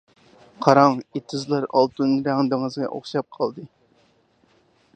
قاراڭ، ئېتىزلار ئالتۇن رەڭ دېڭىزغا ئوخشاپ قالدى.